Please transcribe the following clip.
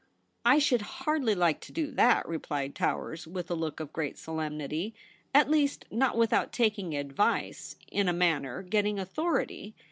* I should hardly like to do that,' replied Towers, with a look of great solemnity ;' at least, not without taking advice — in a manner, getting authority.